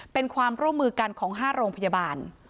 เป็นความร่วมมือกันของ๕โรงพยาบาล